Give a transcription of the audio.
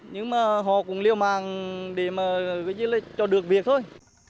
nhưng mà họ cũng liều mạng để mà cho được việc thôi